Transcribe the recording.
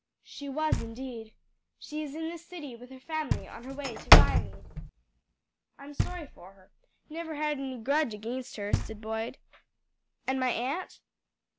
"She was indeed. She is in this city with her family, on her way to Viamede." "I'm sorry for her; never had any grudge against her," said Boyd. "And my aunt?"